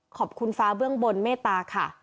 ขอบคุณฟ้าเบื้องบนเมตตาค่ะ